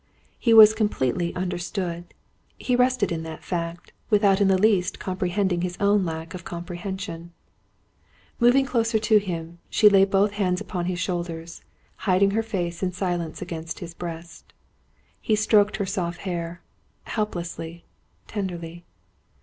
He was completely understood. He rested in that fact, without in the least comprehending his own lack of comprehension. Moving close to him, she laid both hands upon his shoulders, hiding her face in silence against his breast. He stroked her soft hair helplessly, tenderly.